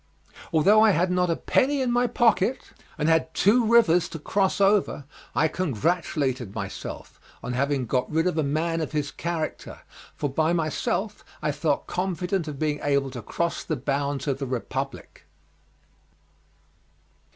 Although I had not a penny in my pocket and had two rivers to cross over, I congratulated myself on having got rid of a man of his character, for by myself I felt confident of being able to cross the bounds of the Republic.